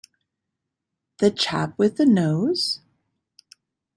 The chap with the nose?